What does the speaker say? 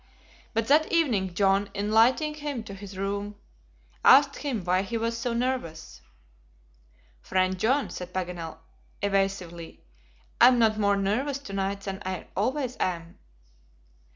But that evening, John, in lighting him to his room, asked him why he was so nervous. "Friend John," said Paganel, evasively, "I am not more nervous to night than I always am."